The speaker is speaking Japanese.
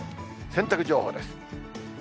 洗濯情報です。